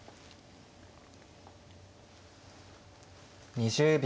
２０秒。